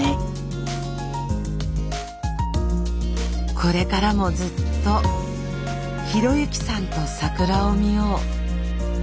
これからもずっと啓之さんと桜を見よう。